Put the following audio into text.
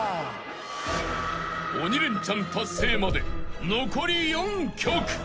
［鬼レンチャン達成まで残り４曲］